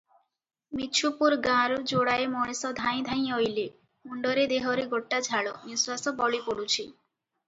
ମିଛୁପୁର ଗାଁରୁ ଯୋଡ଼ାଏ ମଣିଷ ଧାଇଁ ଧାଇଁ ଅଇଲେ, ମୁଣ୍ଡରେ ଦେହରେ ଗୋଟାଝାଳ, ନିଶ୍ୱାସ ବଳି ପଡ଼ୁଛି ।